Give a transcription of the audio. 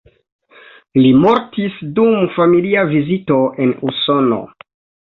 Li mortis dum familia vizito en Usono.